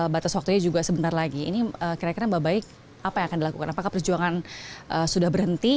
batas waktunya juga sebentar lagi ini kira kira mbak baik apa yang akan dilakukan apakah perjuangan sudah berhenti